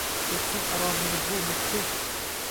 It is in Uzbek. Koʼksim aro meni bu mudhish